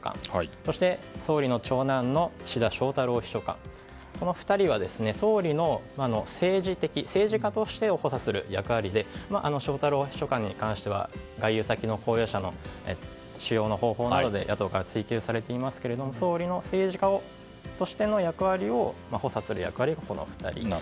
そして、総理の長男の岸田翔太郎秘書官この２人は総理の政治的政治家としての役割を補佐する役割で翔太郎秘書官に関しては外遊先の公用車の使用法などで野党から追及されていますが総理の政治家としての役割を補佐する役割がこの２人と。